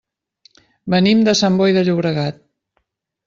Venim de Sant Boi de Llobregat.